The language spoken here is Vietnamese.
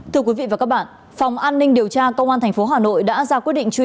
thưa quý vị và các bạn phòng an ninh điều tra công an tp hà nội đã ra quyết định truy nã